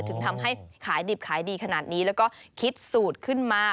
ถึงทำให้ขายดิบขายดีขนาดนี้แล้วก็คิดสูตรขึ้นมา